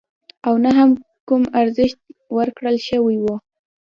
او نه هم کوم ارزښت ورکړل شوی وو.